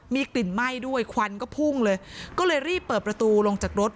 มีกลิ่นไหม้ด้วยควันก็พุ่งเลยก็เลยรีบเปิดประตูลงจากรถ